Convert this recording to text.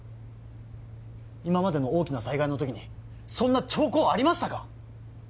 今までの大きな災害の時にそんな兆候ありましたか？